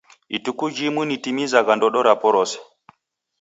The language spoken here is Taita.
Ituku jimu nitimizagha ndodo rapo rose.